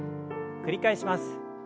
繰り返します。